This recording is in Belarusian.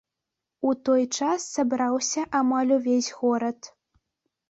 У той час сабраўся амаль увесь горад.